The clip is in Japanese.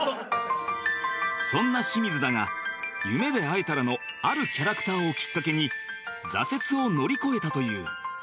そんな清水だが『夢でえたら』のあるキャラクターをきっかけに挫折を乗り越えたという